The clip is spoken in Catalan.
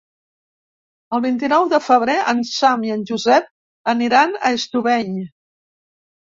El vint-i-nou de febrer en Sam i en Josep aniran a Estubeny.